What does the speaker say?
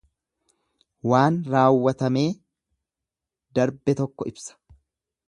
Waan raawwatamee darbe tokko ibsa.